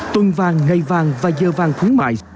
tuần vàng ngày vàng và giờ vàng khuyến mại